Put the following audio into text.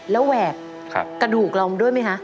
แล้วแหวกระดูกเรามาด้วยมั้ยฮะ